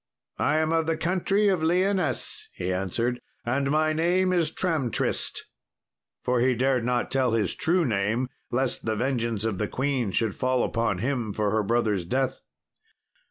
"I am of the country of Lyonesse," he answered, "and my name is Tramtrist;" for he dared not tell his true name lest the vengeance of the queen should fall upon him for her brother's death.